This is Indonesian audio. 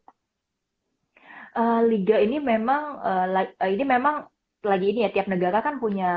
liga ini memang ini memang lagi ini ya tiap negara kan punya